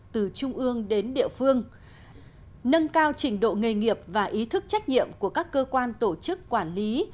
từ trung ương đến địa phương nâng cao trình độ nghề nghiệp và ý thức trách nhiệm của các cơ quan tổ chức quản lý